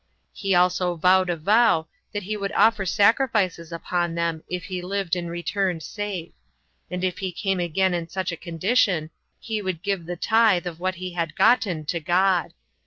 He also vowed a vow, that he would offer sacrifices upon them, if he lived and returned safe; and if he came again in such a condition, he would give the tithe of what he had gotten to God.